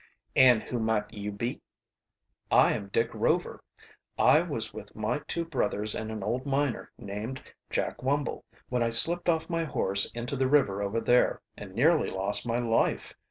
An' who might you be?" "I am Dick Rover. I was with my two brothers and an old miner named Jack Wumble when I slipped off my horse into the river over there and nearly lost my life.